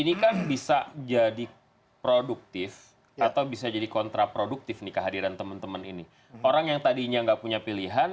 ini kan bisa jadi produktif atau bisa jadi kontraproduktif kehadiran temen temen ini orang yang tadinya enggak punya pilihan